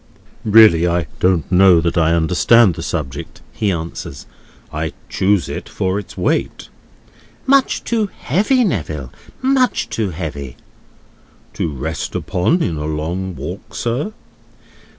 "Really I don't know that I understand the subject," he answers. "I chose it for its weight." "Much too heavy, Neville; much too heavy." "To rest upon in a long walk, sir?"